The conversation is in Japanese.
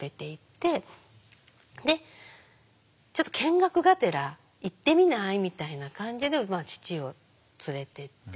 で「ちょっと見学がてら行ってみない？」みたいな感じで父を連れていって。